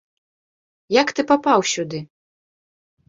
Як ты папаў сюды?